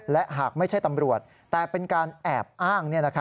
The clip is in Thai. และหากไม่ใช่ตำรวจแต่เป็นการแอบอ้าง